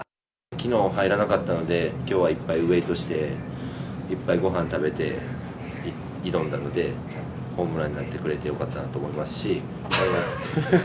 きのう、入らなかったので、きょうはいっぱいウエートして、いっぱいごはん食べて、挑んだので、ホームランになってくれてよかったなと思いますし。